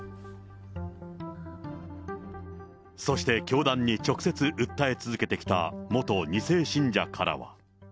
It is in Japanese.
そして、教団に直接、訴え続けてきた元２世信者からは。